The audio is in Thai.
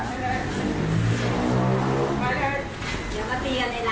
ไม่ได้ไปเลยเดี๋ยวก็ตีกันในร้านเถอะนะตีกตีไปเลยค่ะ